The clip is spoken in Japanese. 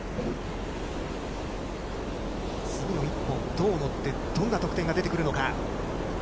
次の１本どう乗ってどんな得点が出てくるのか。